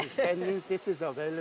ini artinya teknologi yang tersedia